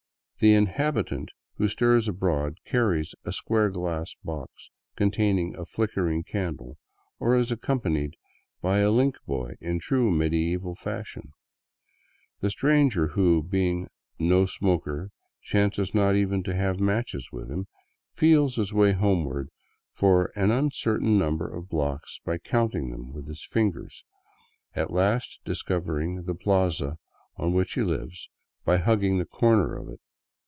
The inhabitant who stirs abroad carries a square glass box containing a flickering candle, or is accompanied by a " linl^ boy," in true medieval fashion. The stranger who, being no smoker, chances not even to have matches with him, feels his way homeward for an uncertain number of blocks by counting them with his fingers, at last discovering the plaza on which he lives by hugging the corner of it.